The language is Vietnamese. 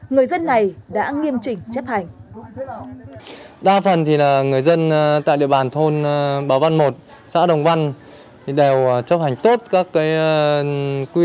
người dân này đã đưa ra một bài hỏi